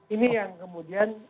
ini yang kemudian